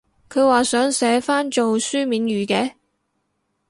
佢話想寫返做書面語嘅？